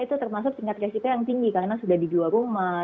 itu termasuk tingkat resiko yang tinggi karena sudah di dua rumah